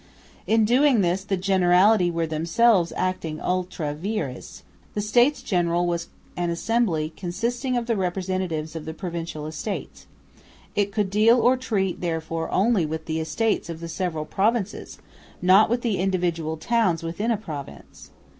In doing this the Generality were themselves acting ultra vires. The States General was an assembly consisting of the representatives of the Provincial Estates. It could deal or treat therefore only with the Estates of the several provinces, not with the individual towns within a province.